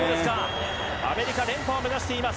アメリカ連覇を目指しています。